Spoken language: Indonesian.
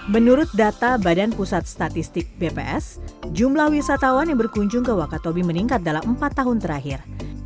menurut data badan pusat statistik bps jumlah wisatawan yang berkunjung ke wakatobi meningkat dalam empat tahun terakhir